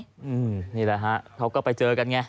นี่แหละฮะเขาก็ไปเจอกันไง